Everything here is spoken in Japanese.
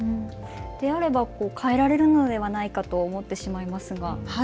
であれば、変えられるのではないかと思ってしまいますが。